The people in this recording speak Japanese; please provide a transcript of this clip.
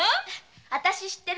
私知ってる。